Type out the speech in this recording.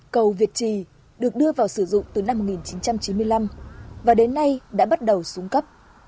cầu việt trì được đưa vào sử dụng từ năm một nghìn chín trăm chín mươi năm và đến nay đã bắt đầu xuống cấp